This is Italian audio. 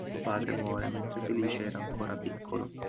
Suo padre muore mentre Felice era ancora piccolo.